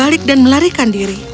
terbalik dan melarikan diri